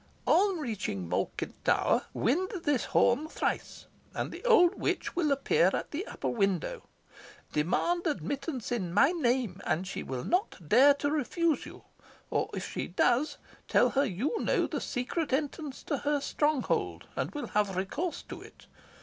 "On reaching Malkin Tower, wind this horn thrice, and the old witch will appear at the upper window. Demand admittance in my name, and she will not dare to refuse you; or, if she does, tell her you know the secret entrance to her stronghold, and will have recourse to it.